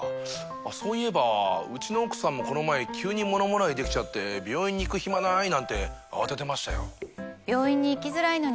そういえばうちの奥さんもこの前急にものもらいできちゃって病院に行く暇ない！なんて慌ててましたよ。